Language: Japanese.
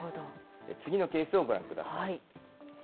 次のケースをご覧ください。